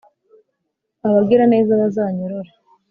abagiraneza bazanyorore